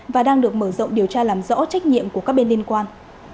và đang được mở rộng điều tra làm rõ trách nhiệm của các bên liên quan